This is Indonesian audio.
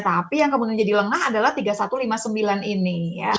tapi yang kemudian jadi lengah adalah tiga ribu satu ratus lima puluh sembilan ini